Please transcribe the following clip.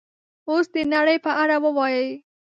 اوس د نړۍ په اړه ووایئ